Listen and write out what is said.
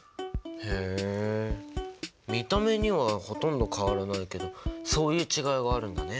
へえ見た目にはほとんど変わらないけどそういう違いがあるんだね。